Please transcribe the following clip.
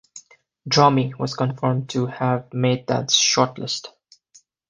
Dromey was confirmed to have made that short-list.